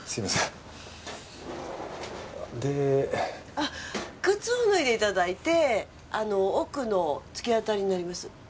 あっ靴脱いでいただいてあの奥の突き当たりになります。